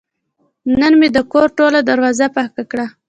نن مې د کور ټوله دروازه پاکه کړه.